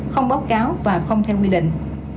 không báo cáo và không theo quy định